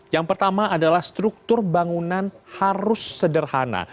yang pertama adalah struktur bangunan harus sederhana